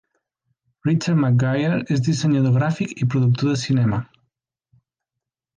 Richard McGuire és dissenyador gràfic i productor de cinema.